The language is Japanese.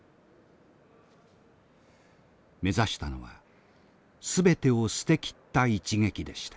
目指したのは全てを捨てきった一撃でした。